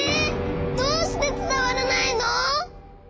どうしてつたわらないの？